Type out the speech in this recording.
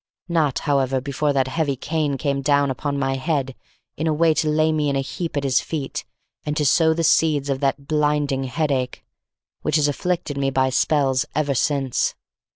Not, however, before that heavy cane came down upon my head in a way to lay me in a heap at his feet and to sow the seeds of that blinding head ache, which has afflicted me by spells ever since.